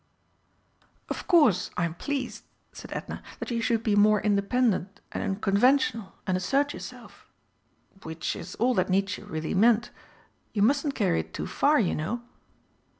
"Of course I am pleased," said Edna, "that you should be more independent and unconventional and assert yourself which is all that Nietzsche really meant. You mustn't carry it too far, you know."